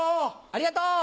ありがとう。